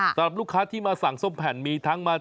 สำหรับลูกค้าที่มาสั่งส้มแผ่นมีทั้งมา